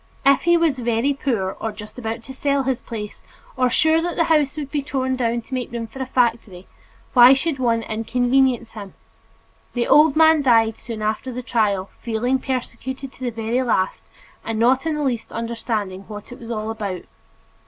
If he was "very poor," or "just about to sell his place," or "sure that the house would be torn down to make room for a factory," why should one "inconvenience" him? The old man died soon after the trial, feeling persecuted to the very last and not in the least understanding what it was all about.